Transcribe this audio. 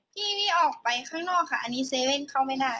พี่ไม่ออกไปข้างนอกค่ะอันนี้เซเว่นเข้าไม่ได้